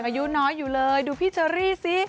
อายุน้อยอยู่เลยดูพี่เชอรี่สิ